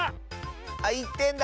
あっ１てんだ！